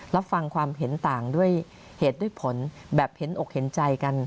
รับฟังความเห็นต่างด้วยเหตุด้วยผลแบบเห็นอกเห็นใจกัน